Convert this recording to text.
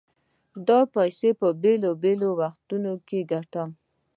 دا پيسې په بېلابېلو وختونو کې ګټم.